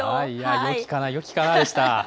よきかな、よきかなでした。